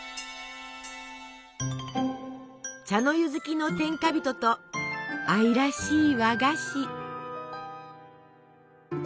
茶の湯好きの天下人と愛らしい和菓子。